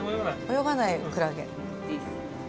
泳がないクラゲ。